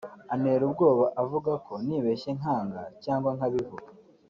antera ubwoba avuga ko nibeshye nkanga cyangwa nkabivuga